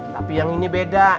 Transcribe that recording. tapi yang ini beda